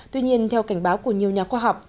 tuy nhiên theo cảnh báo của nhiều nhà khoa học